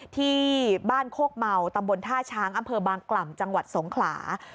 ที่บ้านโคกเมาตำบลท่าช้างอำเภอบางกล่ำจังหวัดสงขลา